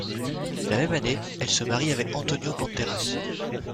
La même année, elle se marie avec Antonio Banderas.